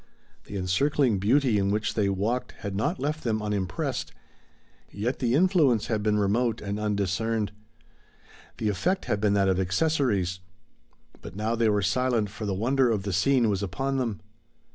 The encircling beauty in which they walked had not left them unimpressed, yet the influence had been remote and undiscerned; the effect had been that of accessories. But now they were silent, for the wonder of the scene was upon them.